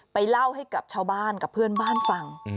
เล่าให้กับชาวบ้านกับเพื่อนบ้านฟัง